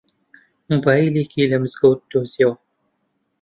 مۆبایلێکی لە مزگەوت دۆزییەوە.